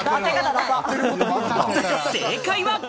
正解は。